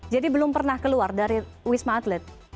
jadi belum pernah keluar dari wisma atlet